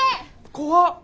怖っ。